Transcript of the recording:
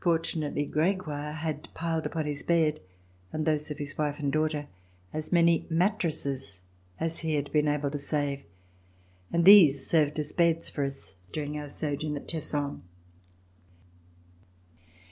Fortunately Gregoire had piled upon his bed and those of his wife and daughter as many mattresses as he had been able to save, and these served as beds for us during our sojourn at Tesson.